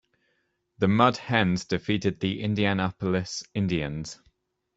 The Mud Hens defeated the Indianapolis Indians.